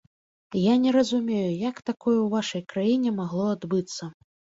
Я не разумею, як такое ў вашай краіне магло адбыцца?